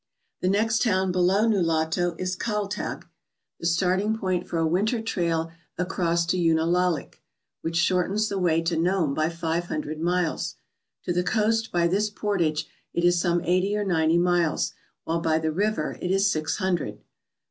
The next town below Nulato is Kaltag, the starting point for a winter trail across to Unalalik, which shortens the way to Nome by five hundred miles. To the coast by this portage it is some eighty or ninety miles, while by the river it is six hundred.